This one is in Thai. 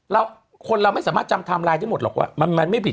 แล้วคนเราไม่สามารถจำไทม์ไลน์ได้หมดหรอกว่ามันไม่ผิด